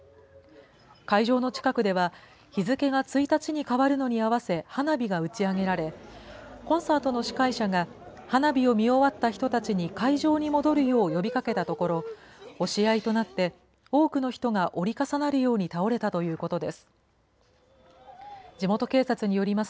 会場の近くでは、日付が１日に変わるのに合わせ、花火が打ち上げられ、コンサートの司会者が、花火を見終わった人たちに会場に戻るよう呼びかけたところ、押し合いとなって、多くの人が折り重なるように倒れたということです。